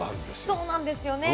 そうなんですよね。